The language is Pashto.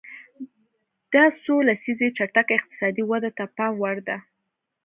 دا څو لسیزې چټکه اقتصادي وده د پام وړ ده.